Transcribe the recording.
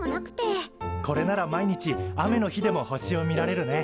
これなら毎日雨の日でも星を見られるね。